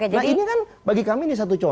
nah ini kan bagi kami ini satu contoh